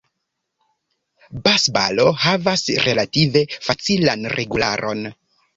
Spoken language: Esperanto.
Basbalo havas relative facilan regularon.